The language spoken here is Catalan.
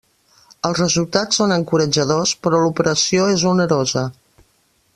Els resultats són encoratjadors, però l'operació és onerosa.